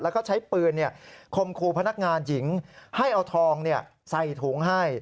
แล้วก็ใช้ปืนคมครูพนักงานหญิงให้เอาทองใส่ถุงให้